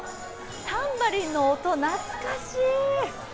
タンバリンの音、懐かしい！